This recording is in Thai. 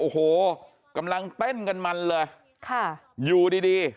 โอ้โหกำลังเต้นกันมันเลยค่ะอยู่ดีดี